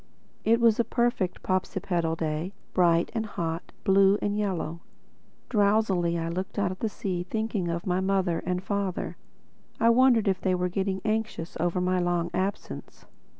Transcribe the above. It was a perfect Popsipetel day, bright and hot, blue and yellow. Drowsily I looked out to sea thinking of my mother and father. I wondered if they were getting anxious over my long absence.